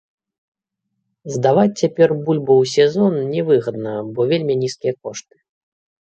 Здаваць цяпер бульбу, у сезон, не выгадна, бо вельмі нізкія кошты.